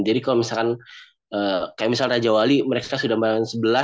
jadi kalau misalkan kayak misalnya raja wali mereka sudah main sebelas